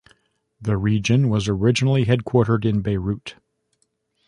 The region was originally headquartered in Beirut.